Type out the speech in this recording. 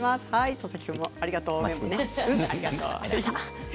佐々木君もありがとうございました。